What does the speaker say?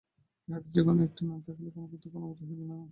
ইহাদের যে-কোন একটি না থাকিলে কোন প্রত্যক্ষ অনুভূতি হইবে না।